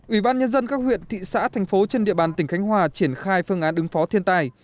ủy ban nhân dân các huyện thị xã thành phố trên địa bàn tỉnh khánh hòa triển khai phương án ứng phó thiên tai